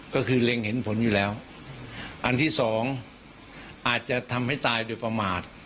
ก็คือเล็งเห็นผลอยู่แล้วอันที่สองอาจจะทำให้ตายโดยประมาท